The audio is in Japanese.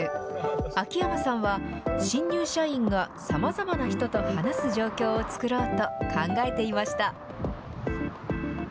秋山さんは、新入社員がさまざまな人と話す状況を作ろうと考えていました。